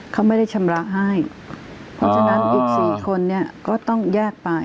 เขาไม่ได้ชำระให้เพราะฉะนั้นอีก๔คนเนี่ยก็ต้องแยกไป